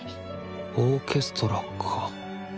オーケストラか。